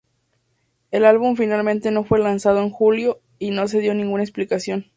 El álbum finalmente no fue lanzado en julio y no se dio ninguna explicación.